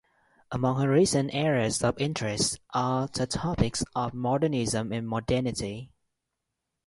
Among her recent areas of interest are the topics of modernism and modernity.